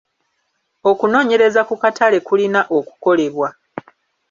Okunoonyereza ku katale kulina okukolebwa.